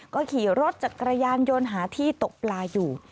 ก็ขี่รถจักรยานยนต์หาที่ตกปลาอยู่